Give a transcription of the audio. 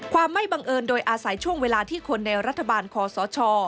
ไม่บังเอิญโดยอาศัยช่วงเวลาที่คนในรัฐบาลคอสช